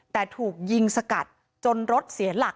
แต่ถูกยิงสกัดจนรถเสียหลัก